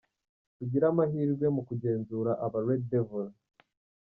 Ugire amahirwe mu kugenzura aba Red Devils.